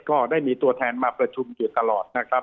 ก็ได้มีตัวแทนมาประชุมอยู่ตลอด